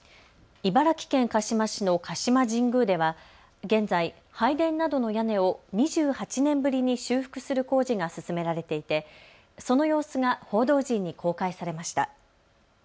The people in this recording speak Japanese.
茨城県鹿嶋市の鹿島神宮では現在、拝殿などの屋根を２８年ぶりに修復する工事が進められていてその様子が報道陣に公開されました。